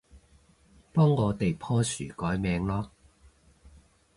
幫我哋棵樹改名囉